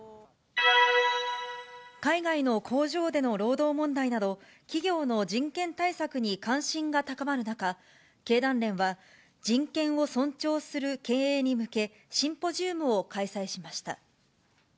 海外の工場での労働問題など、企業の人権対策に関心が高まる中、経団連は、人権を尊重する経営に向け、シンポジウムを開催しました。